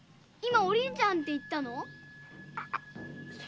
今「お凛ちゃん」って言ったの？